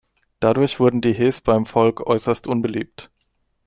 Dadurch wurden die Hes beim Volk äußerst unbeliebt.